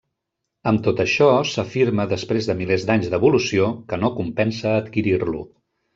Amb tot això, s’afirma després de milers d’any d’evolució, que no compensa adquirir-lo.